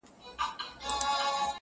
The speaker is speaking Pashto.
چې په کاروبار اخته دي